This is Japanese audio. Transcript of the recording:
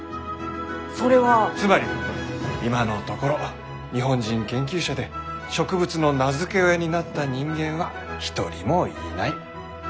つまり今のところ日本人研究者で植物の名付け親になった人間は一人もいない。